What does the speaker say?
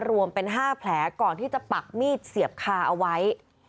รวมเป็น๕แผลก่อนที่จะปักมีดเสียบคาเอาไว้